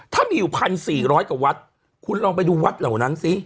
ถ้ามีอยู่๑๔๐๐กว่าวัดคุณลองไปดูวัดเหล่านั้นสิ